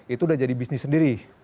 itu udah jadi bisnis sendiri